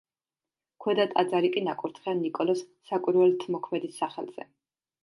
ქვედა ტაძარი კი ნაკურთხია ნიკოლოზ საკვირველთმოქმედის სახელზე.